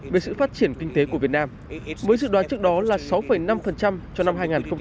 về sự phát triển kinh tế của việt nam mới dự đoán trước đó là sáu năm cho năm hai nghìn hai mươi